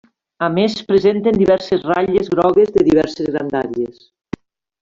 A més presenten diverses ratlles grogues de diverses grandàries.